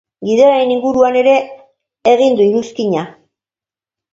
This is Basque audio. Gidarien inguruan ere egin du iruzkina.